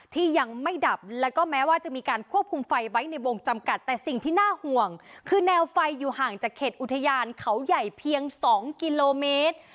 ที่ยังไม่ดับแล้วก็แม้ว่าจะมีการควบคุมไฟไว้ในวงจำกัดแต่สิ่งที่น่าห่วงคือแนวไฟอยู่ห่างจากเขตอุทยานเขาใหญ่เพียง๒กิโลเมตร